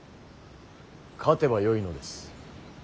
勝てばよいのです。